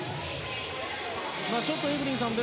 ちょっとエブリンさん